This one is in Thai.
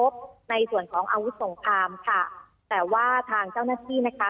ค่ะแต่ว่าทางเจ้าหน้าที่นะคะ